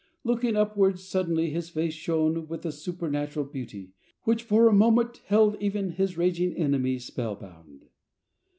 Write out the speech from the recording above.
Looking upwards, suddenly his face shone with a supernatural beauty, which for a moment held even his raging enemies spell bound.